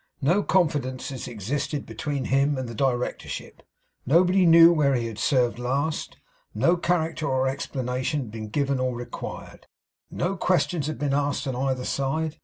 No confidences existed between him and the Directorship; nobody knew where he had served last; no character or explanation had been given or required. No questions had been asked on either side.